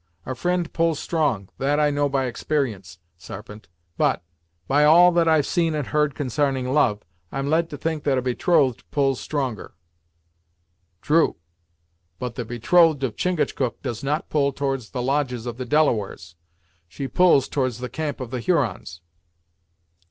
A fri'nd pulls strong, that I know by exper'ence, Sarpent, but, by all that I've seen and heard consarning love, I'm led to think that a betrothed pulls stronger." "True; but the betrothed of Chingachgook does not pull towards the lodges of the Delawares; she pulls towards the camp of the Hurons."